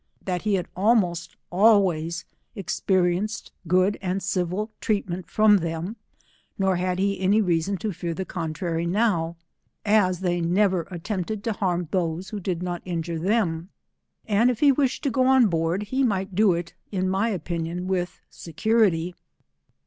That he had almost always experienced good and civil treatment from them, nor bad he any reason to fear the contrary now, as they never attempted to harm tho^ie who did not injure them, and if he wished to go oa board, he might do it, in my opinion with security.